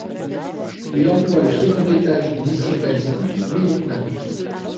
Il emploie le second étage du missile balistique Minuteman.